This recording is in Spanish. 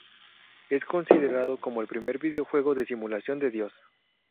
Es considerado como el primer videojuego de simulación de dios.